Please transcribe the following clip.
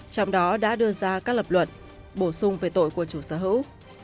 trong đó đã đưa ra các lập luận bổ sung về tội của chủ sở hữu